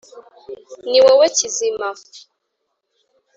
Ni wowe Kizima